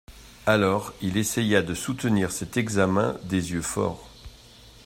Alors il essaya de soutenir cet examen des yeux forts.